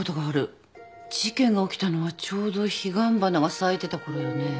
事件が起きたのはちょうど彼岸花が咲いてたころよね。